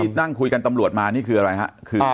แล้วนี่ที่นั่งคุยกันตำลวดมานี่คืออะไรฮะ